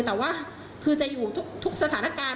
แต่ว่าคือจะอยู่ทุกสถานการณ์